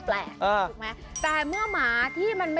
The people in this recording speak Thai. เคยเป็นหมา๒ครั้ง